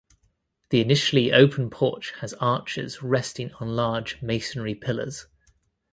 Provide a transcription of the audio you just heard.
The initially open porch has arches resting on large masonry pillars.